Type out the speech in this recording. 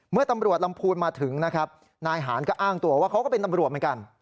เมื่อตำรวจลำพูนมาถึงนะครับนายหานก็อ้างตัวว่าเขาก็เป็นตำรวจเหมือนกัน